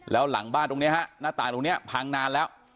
แล้วหลังบ้านตรงนี้ฮะหน้าต่างตรงนี้พังนานแล้ว